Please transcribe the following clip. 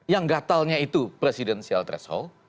yang gatalnya itu presidensial threshold